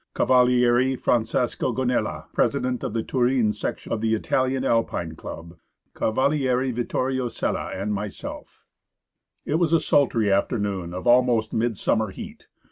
Cavaliere Francesco Gonella, president of the Turin section of the Italian Alpine Club ; Cavaliere Vittorio Sella, and myself It was a sultry afternoon of almost midsummer heat.